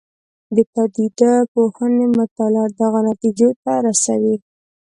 د پدیده پوهنې مطالعات دغو نتیجو ته رسوي.